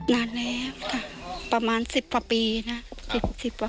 นานแล้วค่ะประมาณ๑๐กว่าปีนะ